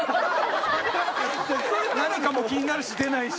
何かも気になるし出ないし。